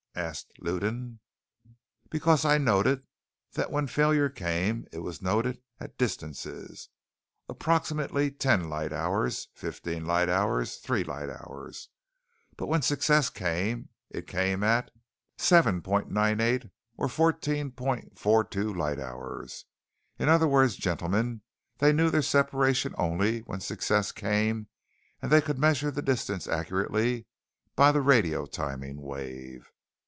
asked Lewdan. "Because I noted that when failure came, it was noted at distances, 'Approximately ten light hours, ... fifteen light hours ... three light hours.' But when success came, it came at, 'Seven, point nine eight, or fourteen, point four two light hours.' In other words, gentlemen, they knew their separation only when success came and they could measure the distance accurately by the radio timing wave."